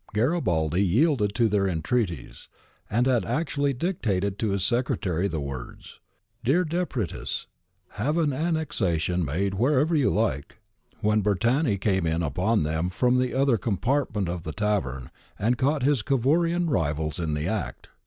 Garibaldi yielded to their entreaties, and had actually dictated to his secretar}'^ the words, ' Dear Depretis, have the an nexation made whenever you like,' when Bertani came in upon them from the other compartment of the tavern and caught his Cavourian rivals in the act.